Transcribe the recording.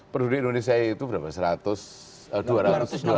penduduk indonesia itu berapa